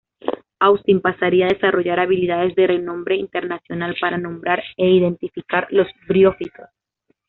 Austin pasaría a desarrollar habilidades de renombre internacional para nombrar e identificar los briófitos.